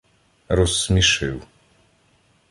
- Розсмішив.